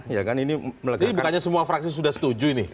jadi bukannya semua fraksi sudah setuju ini